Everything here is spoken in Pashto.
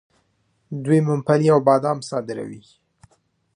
دوی ممپلی او بادام صادروي.